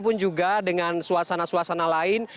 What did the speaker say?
pun juga dengan suasana suasana lain